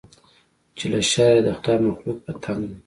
چې له شره یې د خدای مخلوق په تنګ دی